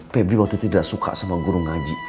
febri waktu itu tidak suka sama guru ngaji